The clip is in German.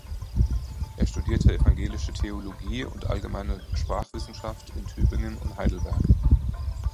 Er studierte evangelische Theologie und allgemeine Sprachwissenschaft in Tübingen und Heidelberg.